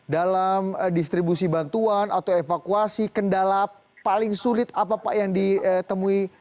dalam distribusi bantuan atau evakuasi kendala paling sulit apa pak yang ditemui